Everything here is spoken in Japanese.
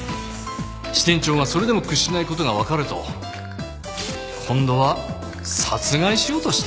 支店長がそれでも屈しない事がわかると今度は殺害しようとした。